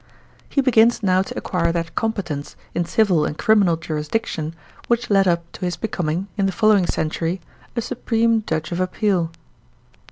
He begins now to acquire that competence, in civil and criminal jurisdiction, which led up to his becoming, in the following century, a supreme judge of appeal.